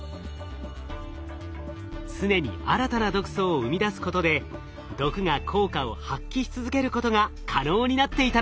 常に新たな毒素を生み出すことで毒が効果を発揮し続けることが可能になっていたのです。